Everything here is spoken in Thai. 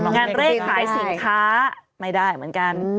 เลขขายสินค้าไม่ได้เหมือนกัน